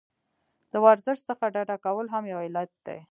له ورزش څخه ډډه کول هم یو علت دی.